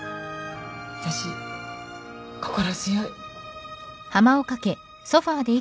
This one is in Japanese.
私心強い。